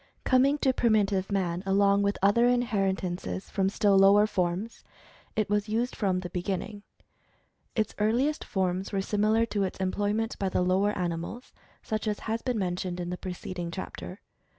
Coming to primitive man along with other inheritances from still lower forms, it was used from the beginning. Its earliest forms were similar to its employment by the lower animals, such as has been mentioned in the preceding chapter.